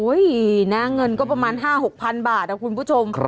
โอ้ยหน้าเงินก็ประมาณ๕๖พันบาทอะคุณผู้ชม